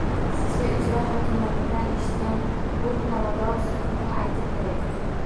Sizga ijro hokimiyatidan eshitgan bu paradoks haqida aytib beray